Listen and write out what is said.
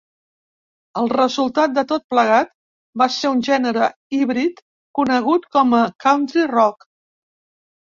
El resultat de tot plegat va ser un gènere híbrid conegut com a country rock.